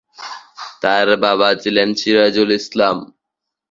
তাঁর বাবা ছিলেন সিরাজুল ইসলাম।